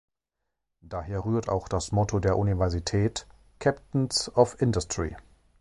Daher rührt auch das Motto der Universität „Captains of Industry“.